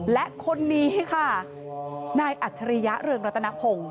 และคนนี้ค่ะนายอัจฉริยะเรืองรัตนพงศ์